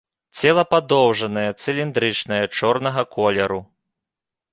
Цела падоўжанае, цыліндрычнае, чорнага колеру.